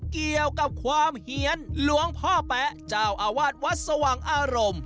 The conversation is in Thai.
เกี่ยวกับความเหี้ยนหลวงพ่อแป๊ะเจ้าอาวาสวัดสว่างอารมณ์